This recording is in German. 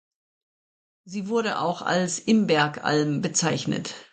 Sie wurde auch als Imbergalm bezeichnet.